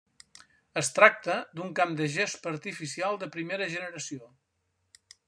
Es tracta d'un camp de gespa artificial de primera generació.